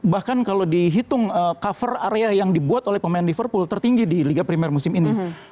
bahkan kalau dihitung cover area yang dibuat oleh pemain liverpool tertinggi di liga primer musim ini